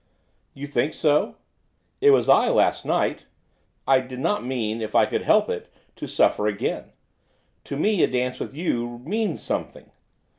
'You think so? It was I last night, I did not mean, if I could help it, to suffer again. To me a dance with you means something.